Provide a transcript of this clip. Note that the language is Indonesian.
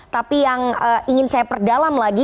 tapi yang ingin saya perdalam lagi